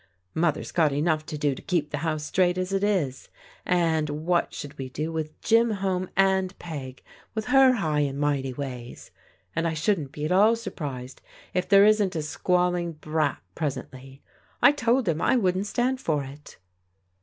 Mother's got enough to do to keep the house straight as it is, and what should we do with Jim home and Peg, with her high and mighty ways? And I shouldn't be at all sur prised if there isn't a squalling brat presently. I told him I wouldn't stand for it."